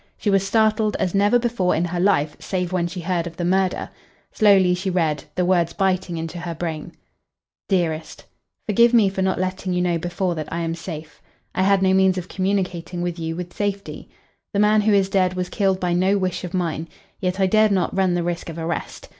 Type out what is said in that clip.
She was startled as never before in her life save when she heard of the murder. Slowly she read, the words biting into her brain "DEAREST, Forgive me for not letting you know before that I am safe. I had no means of communicating with you with safety. The man who is dead was killed by no wish of mine. Yet I dared not run the risk of arrest.